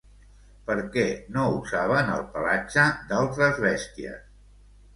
Per què no usaven el pelatge d'altres bèsties?